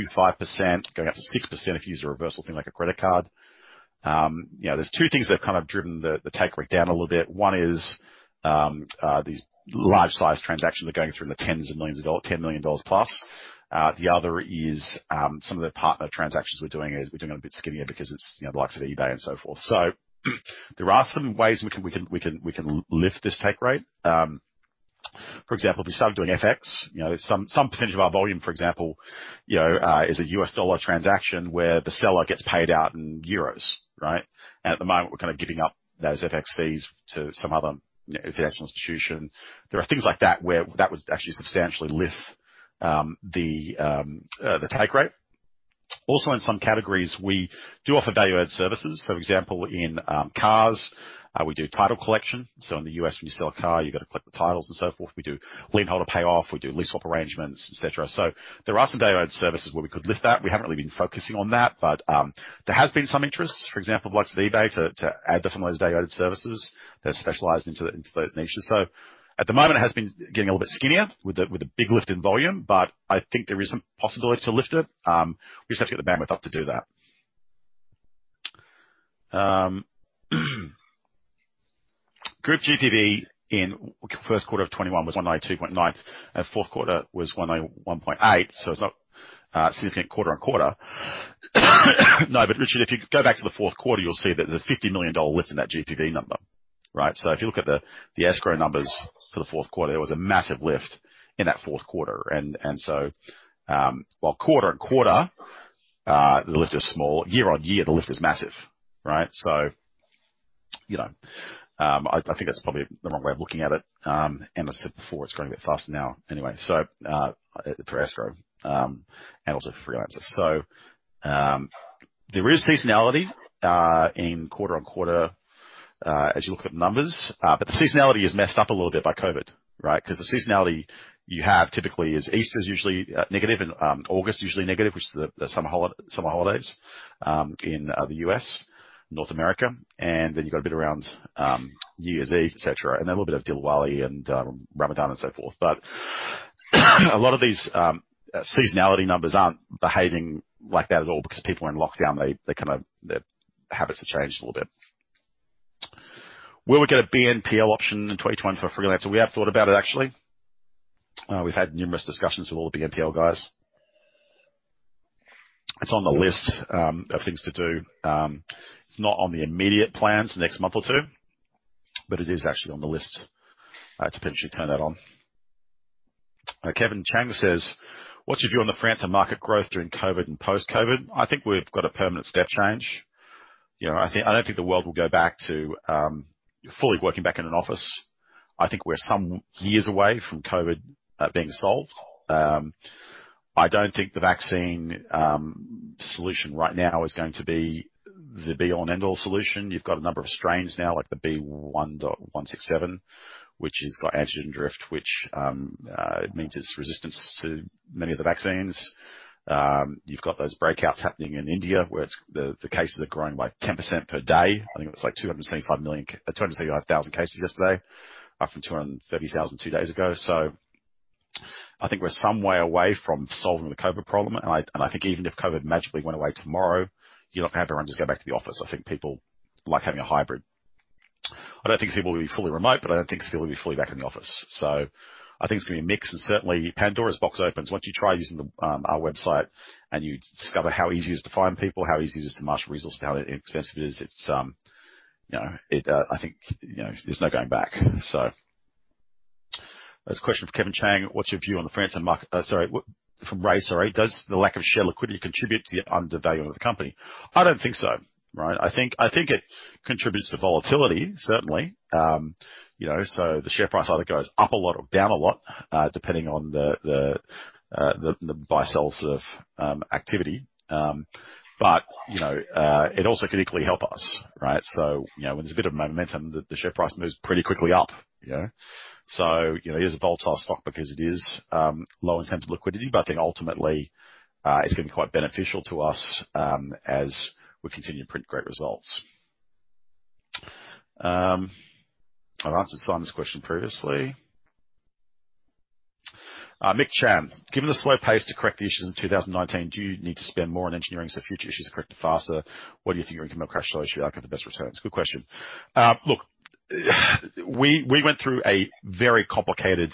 going up to 6% if you use a reversal thing like a credit card. There's two things that have kind of driven the take rate down a little bit. One is these large size transactions that are going through in the tens of millions of dollar, $10 million+. The other is some of the partner transactions we're doing is we're doing a bit skinnier because it's the likes of eBay and so forth. There are some ways we can lift this take rate. For example, if we started doing FX. Some percentage of our volume, for example, is a U.S. dollar transaction where the seller gets paid out in euros, right? At the moment, we're kind of giving up those FX fees to some other financial institution. There are things like that where that would actually substantially lift the take rate. In some categories, we do offer value-added services. For example, in cars, we do title collection. In the U.S., when you sell a car, you've got to collect the titles and so forth. We do lienholder payoff. We do lease payoff arrangements, et cetera. There are some value-added services where we could lift that. We haven't really been focusing on that, there has been some interest, for example, the likes of eBay, to add some of those value-added services that are specialized into those niches. At the moment, it has been getting a little bit skinnier with the big lift in volume, I think there is some possibility to lift it. We just have to get the bandwidth up to do that. Group GPV in first quarter of 2021 was 102.9. Fourth quarter was 101.8, so it's not a significant quarter-on-quarter. No, Richard, if you go back to the fourth quarter, you'll see that there's a 50 million dollar lift in that GPV number. If you look at the Escrow numbers for the fourth quarter, there was a massive lift in that fourth quarter. While quarter-on-quarter, the lift is small, year-on-year, the lift is massive. I think that's probably the wrong way of looking at it. As I said before, it's growing a bit faster now anyway, for Escrow, and also for Freelancer. There is seasonality in quarter-on-quarter as you look at numbers, but the seasonality is messed up a little bit by COVID. The seasonality you have typically is Easter is usually negative and August is usually negative, which is the summer holidays in the U.S., North America, and then you've got a bit around New Year's Eve, et cetera, and then a little bit of Diwali and Ramadan and so forth. A lot of these seasonality numbers aren't behaving like that at all because people are in lockdown. Their habits have changed a little bit. Will we get a BNPL option in 2021 for Freelancer? We have thought about it, actually. We've had numerous discussions with all the BNPL guys. It's on the list of things to do. It's not on the immediate plans next month or two, it is actually on the list to potentially turn that on. Kevin Chang says, "What's your view on the Freelancer market growth during COVID and post-COVID?" I think we've got a permanent step change. I don't think the world will go back to fully working back in an office. I think we're some years away from COVID being solved. I don't think the vaccine solution right now is going to be the be-all and end-all solution. You've got a number of strains now, like the B.1.617, which has got antigen drift, which means it's resistant to many of the vaccines. You've got those breakouts happening in India, where the cases are growing by 10% per day. I think it was like 275,000 cases yesterday, up from 230,000 two days ago. I think we're some way away from solving the COVID problem. I think even if COVID magically went away tomorrow, you're not going to have everyone just go back to the office. I think people like having a hybrid. I don't think people will be fully remote, but I don't think people will be fully back in the office. I think it's going to be a mix, certainly Pandora's box opens once you try using our website and you discover how easy it is to find people, how easy it is to marshal resources, how inexpensive it is. I think there's no going back. There's a question from Kevin Chang. "What's your view on the freelance market?" from Ray. "Does the lack of share liquidity contribute to the undervalue of the company?" I don't think so. I think it contributes to volatility, certainly. The share price either goes up a lot or down a lot, depending on the buy sells of activity. It also could equally help us. When there's a bit of momentum, the share price moves pretty quickly up. It is a volatile stock because it is low in terms of liquidity, but I think ultimately, it's going to be quite beneficial to us as we continue to print great results. I've answered Simon's question previously. Mick Chan, given the slow pace to correct the issues in 2019, do you need to spend more on engineering so future issues are corrected faster? What do you think your income or cash flow issue are going to be the best returns? Good question. Look, we went through a very complicated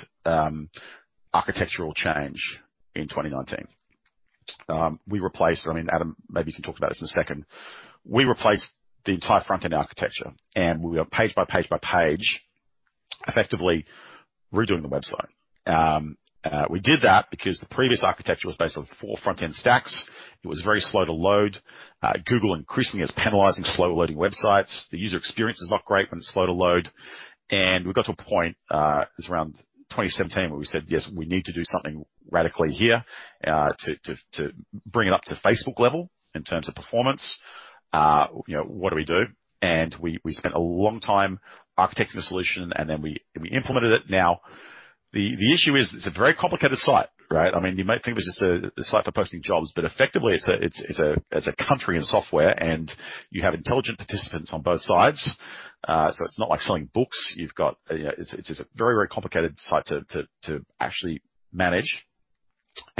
architectural change in 2019. We replaced I mean, Adam, maybe you can talk about this in a second. We replaced the entire front-end architecture, and we were page by page by page, effectively redoing the website. We did that because the previous architecture was based on four front-end stacks. It was very slow to load. Google increasingly is penalizing slow-loading websites. The user experience is not great when it's slow to load. We got to a point, it was around 2017, where we said, "Yes, we need to do something radically here to bring it up to Facebook level in terms of performance. What do we do?" We spent a long time architecting a solution, and then we implemented it. The issue is it's a very complicated site. You might think of it as just a site for posting jobs, but effectively it's a country in software, and you have intelligent participants on both sides. It's not like selling books. It's a very complicated site to actually manage.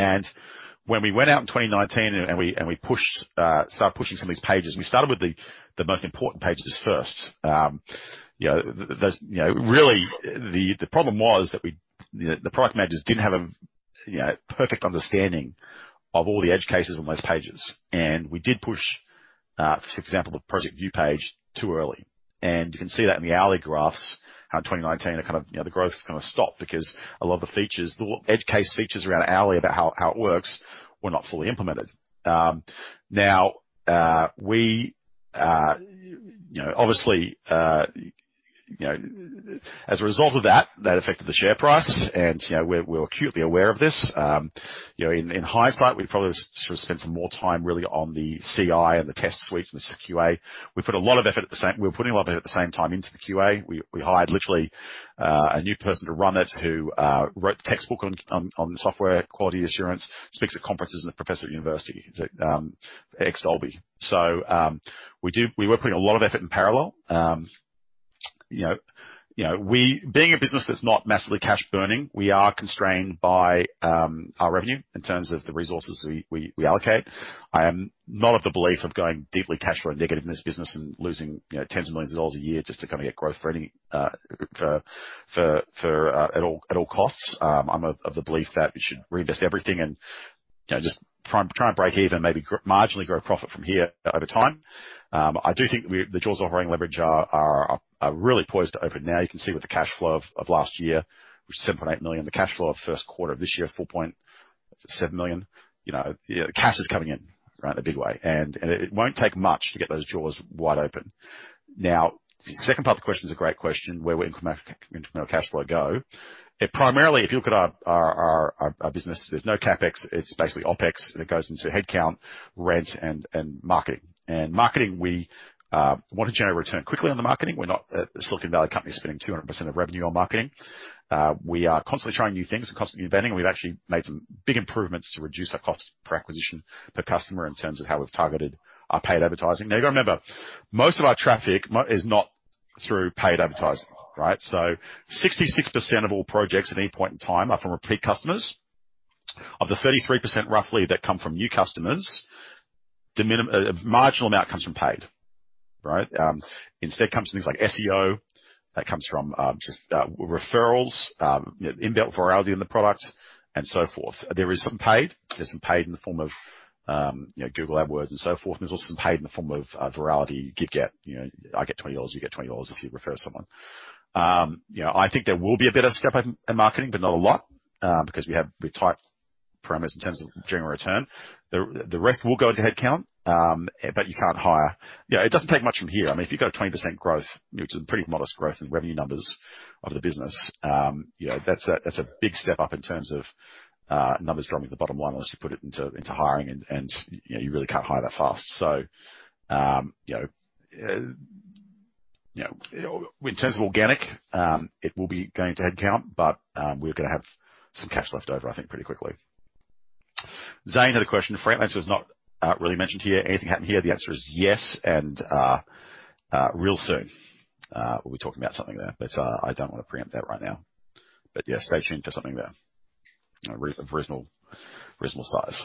When we went out in 2019 and we started pushing some of these pages, we started with the most important pages first. Really, the problem was that the product managers didn't have a perfect understanding of all the edge cases on those pages. We did push, for example, the project view page too early. You can see that in the Alexa graphs, how in 2019, the growth just kind of stopped because a lot of the features, the edge case features around Alexa about how it works, were not fully implemented. Now, obviously, as a result of that affected the share price, and we're acutely aware of this. In hindsight, we'd probably have spent some more time really on the CI and the test suites and the QA. We were putting a lot of effort at the same time into the QA. We hired literally a new person to run it who wrote the textbook on software quality assurance, speaks at conferences, and is a Professor at University. He's an ex-Dolby. We were putting a lot of effort in parallel. Being a business that's not massively cash burning, we are constrained by our revenue in terms of the resources we allocate. I am not of the belief of going deeply cash flow negative in this business and losing $ tens of millions a year just to get growth at all costs. I'm of the belief that we should reinvest everything and just try and break even, maybe marginally grow profit from here over time. I do think the jaws of operating leverage are really poised to open now. You can see with the cash flow of last year, which was 7.8 million, the cash flow of first quarter of this year, 4.7 million. The cash is coming in a big way. It won't take much to get those jaws wide open. Now, the second part of the question is a great question. Where will incremental cash flow go? If you look at our business, there's no CapEx. It's basically OpEx, and it goes into headcount, rent, and marketing. Marketing, we want to generate return quickly on the marketing. We're not a Silicon Valley company spending 200% of revenue on marketing. We are constantly trying new things and constantly inventing. We've actually made some big improvements to reduce our cost per acquisition, per customer, in terms of how we've targeted our paid advertising. Now, you've got to remember, most of our traffic is not through paid advertising. 66% of all projects at any point in time are from repeat customers. Of the 33%, roughly, that come from new customers, a marginal amount comes from paid. Instead, it comes from things like SEO. It comes from just referrals, inbuilt virality in the product, and so forth. There is some paid. There's some paid in the form of Google AdWords and so forth. There's also some paid in the form of virality. Give, get. I get 20 dollars, you get 20 dollars if you refer someone. I think there will be a bit of a step-up in marketing, but not a lot, because we have tight parameters in terms of generating return. The rest will go into headcount. You can't hire. It doesn't take much from here. If you've got 20% growth, which is a pretty modest growth in revenue numbers of the business, that's a big step up in terms of numbers driving the bottom line, unless you put it into hiring. You really can't hire that fast. In terms of organic, it will be going to headcount, but we're going to have some cash left over, I think, pretty quickly. Zane had a question, freelancer was not really mentioned here. Anything happen here? The answer is yes, and real soon. We'll be talking about something there, but I don't want to preempt that right now. Yes, stay tuned for something there of reasonable size.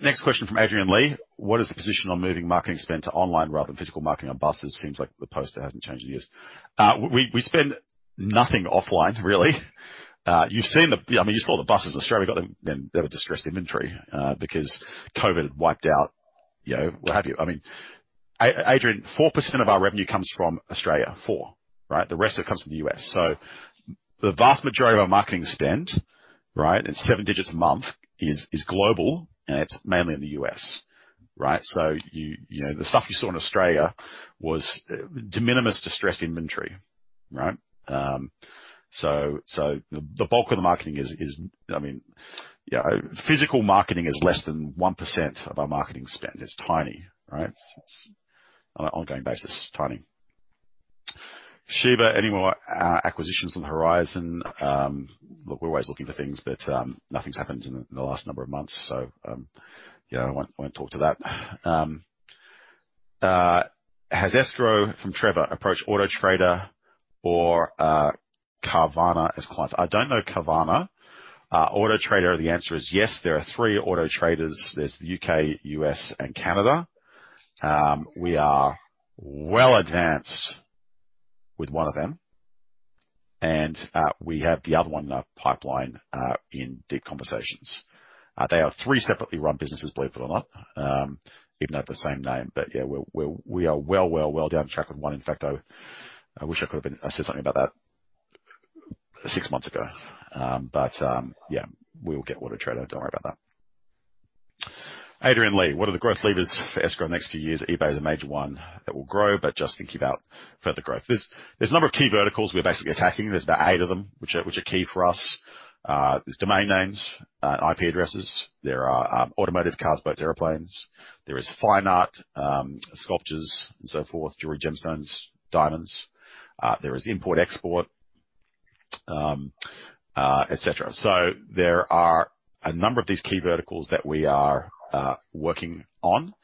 Next question from Adrian Lee. What is the position on moving marketing spend to online rather than physical marketing on buses? Seems like the poster hasn't changed in years. We spend nothing offline, really. You saw the buses in Australia. They were distressed inventory, because COVID had wiped out what have you. Adrian, 4% of our revenue comes from Australia. Four. The rest of it comes from the U.S. The vast majority of our marketing spend, it's seven digits a month, is global, and it's mainly in the U.S. The stuff you saw in Australia was de minimis distressed inventory. The bulk of the marketing is Physical marketing is less than 1% of our marketing spend. It's tiny. On an ongoing basis, tiny. Sheba, any more acquisitions on the horizon? Look, we're always looking for things, but nothing's happened in the last number of months. I won't talk to that. Has Escrow, from Trevor, approached AutoTrader or Carvana as clients? I don't know Carvana. AutoTrader, the answer is yes. There are three AutoTraders. There's the U.K., U.S., and Canada. We are well advanced with one of them. We have the other one in our pipeline in deep conversations. They are three separately run businesses, believe it or not, even though they have the same name. We are well down the track with one. In fact, I wish I could have said something about that six months ago. We will get AutoTrader. Don't worry about that. Adrian Lee, What are the growth levers for Escrow in the next few years? eBay is a major one that will grow, but just thinking about further growth. There's a number of key verticals we're basically attacking. There's about eight of them, which are key for us. There's domain names, IP addresses. There are automotive, cars, boats, airplanes. There is fine art, sculptures and so forth, jewelry, gemstones, diamonds. There is import, export, et cetera. There are a number of these key verticals that we are working on.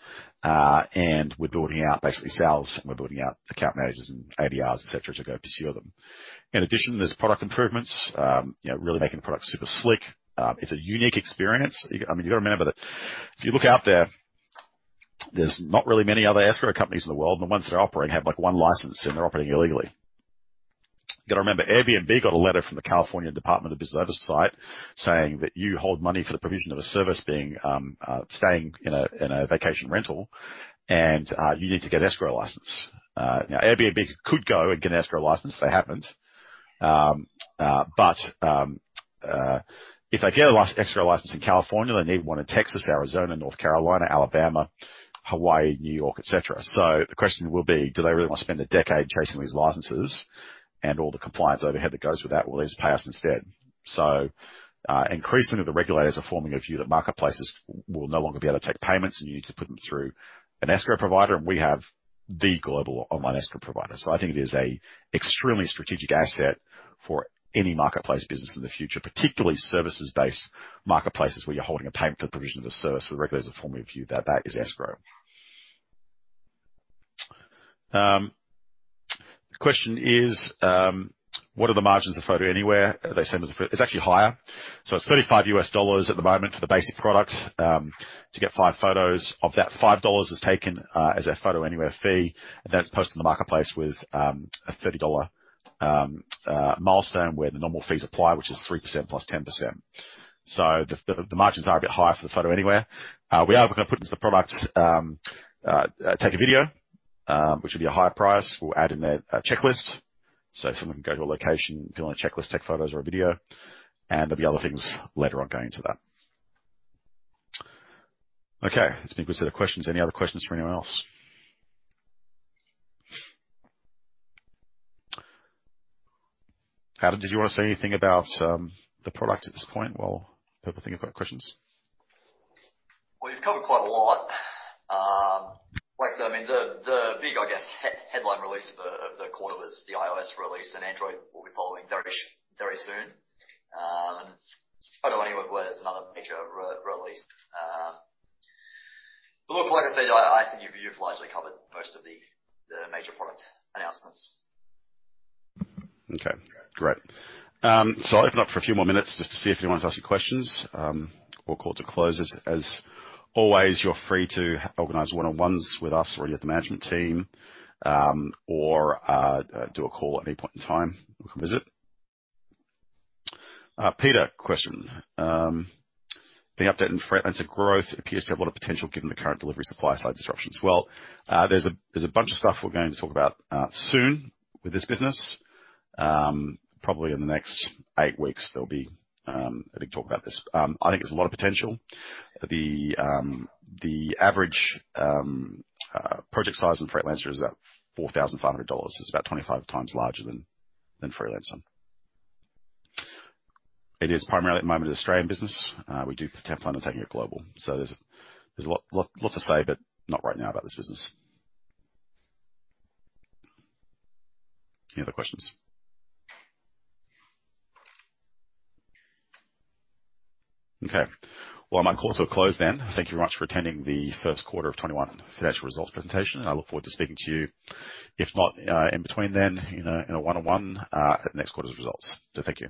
We're building out basically sales, and we're building out account managers and BDRs, et cetera, to go pursue them. In addition, there's product improvements, really making the product super slick. It's a unique experience. You've got to remember that if you look out there's not really many other Escrow companies in the world, and the ones that are operating have one license, and they're operating illegally. You've got to remember, Airbnb got a letter from the California Department of Business Oversight saying that you hold money for the provision of a service, staying in a vacation rental, and you need to get an Escrow license. Airbnb could go and get an Escrow license. They haven't. If they get an Escrow license in California, they need one in Texas, Arizona, North Carolina, Alabama, Hawaii, New York, et cetera. The question will be, do they really want to spend a decade chasing these licenses and all the compliance overhead that goes with that? Will they just pay us instead? Increasingly, the regulators are forming a view that marketplaces will no longer be able to take payments, and you need to put them through an Escrow provider, and we have the global online Escrow provider. I think it is an extremely strategic asset for any marketplace business in the future, particularly services-based marketplaces where you're holding a payment for the provision of the service. The regulators are forming a view that is Escrow. The question is, what are the margins of Photo Anywhere? They seem as if it's actually higher. It's $35 at the moment for the basic product, to get five photos. Of that, $5 is taken as a Photo Anywhere fee, and that's posted in the marketplace with a $30 milestone where the normal fees apply, which is 3% plus 10%. The margins are a bit higher for the Photo Anywhere. We are going to put into the product, Take a Video, which will be a higher price. We'll add in a checklist. Someone can go to a location, fill in a checklist, take photos or a video, and there'll be other things later on going into that. Okay, that's a good set of questions. Any other questions from anyone else? Adam, did you want to say anything about the product at this point while people think about questions? You've covered quite a lot. The big headline release of the quarter was the iOS release. Android will be following very soon. Photo Anywhere was another major release. Like I said, I think you've largely covered most of the major product announcements. Okay, great. I'll open up for a few more minutes just to see if anyone wants to ask any questions. We'll call to close. As always, you're free to organize one-on-ones with us or any of the management team, or do a call at any point in time. We'll come visit. Peter question, the update in Freelancer Growth appears to have a lot of potential given the current delivery supply side disruptions. Well, there's a bunch of stuff we're going to talk about soon with this business. Probably in the next eight weeks, there'll be a big talk about this. I think there's a lot of potential. The average project size in Freelancer is about $4,500. It's about 25 times larger than Freelancer. It is primarily at the moment an Australian business. We do plan on taking it global. There's a lot to say, but not right now about this business. Any other questions? Okay. My call to a close then. Thank you very much for attending the first quarter of 2021 financial results presentation. I look forward to speaking to you, if not in between then, in a one-on-one at next quarter's results. Thank you.